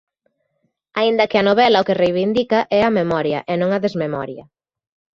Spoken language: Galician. Aínda que a novela o que reivindica é a memoria, e non a desmemoria.